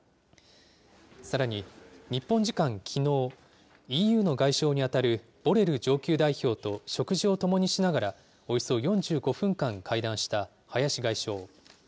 さらに、日本時間きのう、ＥＵの外相に当たるボレル上級代表と食事を共にしながら、およそ４５分間会談した林外相。